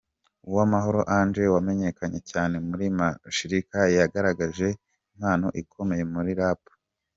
Uwamahoro Angel wamenyekanye cyane muri Mashirika yagaragaje impano ikomeye muri Rap.